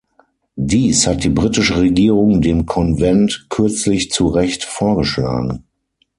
Dies hat die britische Regierung dem Konvent kürzlich zu Recht vorgeschlagen.